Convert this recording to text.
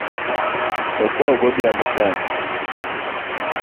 Otho godhiambo sani